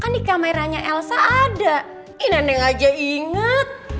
kan di kameranya elsa ada ini neneng aja inget